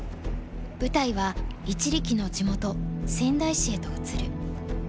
舞台は一力の地元仙台市へと移る。